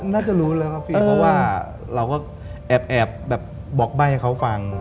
น่าจะรู้แล้วครับพี่เพราะว่าเราก็แอบแบบบอกใบ้ให้เขาฟัง